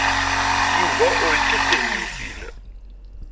Yuba ur yekkat tihyufin.